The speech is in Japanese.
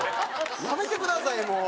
やめてくださいもう。